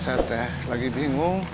saya teh lagi bingung